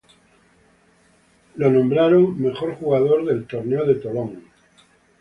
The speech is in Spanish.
Fue nombrado mejor jugador del Torneo de Toulon.